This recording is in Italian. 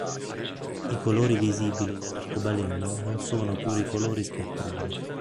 I colori visibili nell'arcobaleno non sono puri colori spettrali.